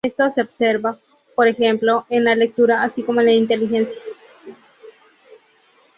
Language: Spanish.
Esto se observa, por ejemplo, en la lectura, así como en la inteligencia.